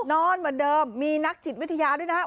นอนเหมือนเดิมมีนักจิตวิทยาด้วยนะครับ